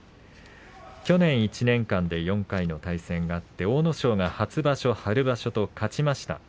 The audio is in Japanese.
去年１年間で４回の対戦があって阿武咲が初場所、春場所と勝ちました。